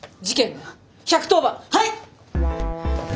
はい！